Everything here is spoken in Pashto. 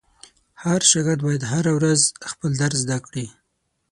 هر شاګرد باید هره ورځ خپل درس زده کړي.